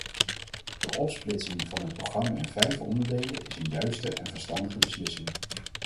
De opsplitsing van het programma in vijf onderdelen is een juiste en verstandige beslissing.